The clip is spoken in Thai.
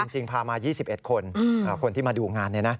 จริงพามา๒๑คนคนที่มาดูงาน